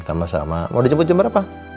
sama sama mau dijemput jam berapa